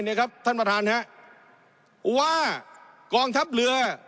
ท่านประธานครับว่ากองทัพเรือ